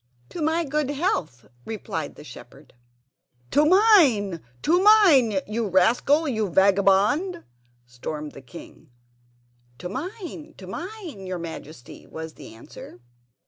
"To my good health!" replied the shepherd. "To mine—to mine, you rascal, you vagabond!" stormed the king. "To mine, to mine, your Majesty," was the answer.